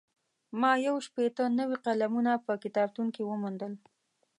ما یو شپېته نوي قلمونه په کتابتون کې وموندل.